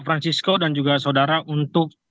francisco dan juga saudara untuk